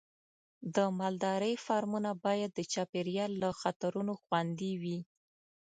د مالدارۍ فارمونه باید د چاپېریال له خطرونو خوندي وي.